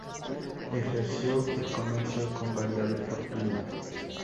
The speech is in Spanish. Ejerció el comercio, con variable fortuna.